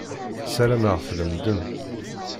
Sarameɣ tlemmdem.